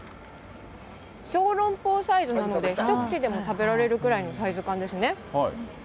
ショーロンポーサイズなので、一口でも食べられるようなサイズ感ですね。